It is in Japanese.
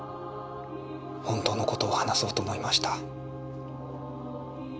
本当の事を話そうと思いました。